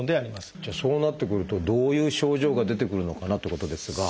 じゃあそうなってくるとどういう症状が出てくるのかなってことですが。